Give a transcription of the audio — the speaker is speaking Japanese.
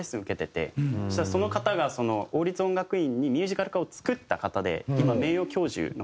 そしたらその方が王立音楽院にミュージカル科を作った方で今名誉教授の方なんですけど。